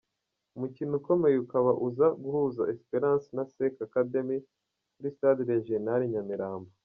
Umukino ukomeye ukaba uza guhuza Esperance na Sec Academy kuri stade regional I Nyamirambo.